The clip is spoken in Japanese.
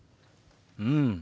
うん。